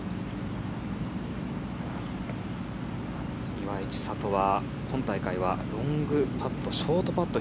岩井千怜は今大会はロングパット、ショートパット